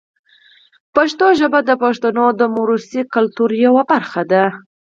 پښتو ژبه د پښتنو د موروثي کلتور یوه برخه ده.